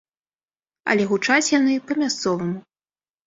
Але гучаць яны па-мясцоваму.